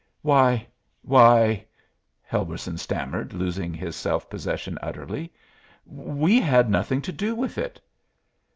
why why," Helberson stammered, losing his self possession utterly, "we had nothing to do with it."